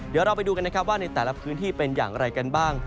เดี๋ยวเราไปดูกันนะครับว่าในแต่ละพื้นที่เป็นอย่างไรกันบ้าง